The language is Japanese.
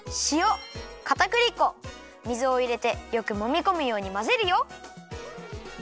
しおかたくり粉水をいれてよくもみこむようにまぜるよ。